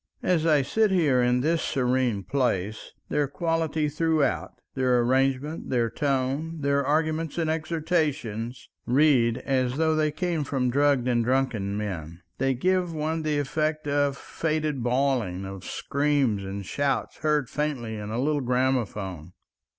As I sit here in this serene place, their quality throughout, their arrangement, their tone, their arguments and exhortations, read as though they came from drugged and drunken men. They give one the effect of faded bawling, of screams and shouts heard faintly in a little gramophone.